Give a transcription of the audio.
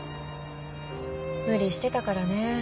無理してたからね。